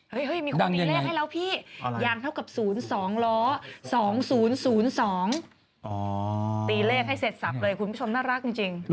เมื่อกี้มีอย่างเท่ากับ๐๒ล้อ